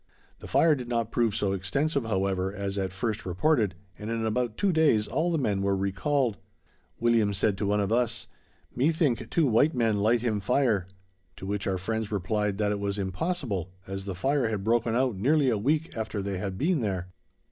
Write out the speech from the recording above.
The fire did not prove so extensive, however, as at first reported, and in about two days all the men were recalled. William said to one of us: "Me think two white man light him fire"; to which our friends replied that it was impossible, as the fire had broken out nearly a week after they had been there.